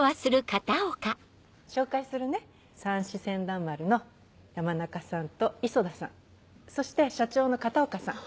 紹介するねさんし船団丸の山中さんと磯田さんそして社長の片岡さん。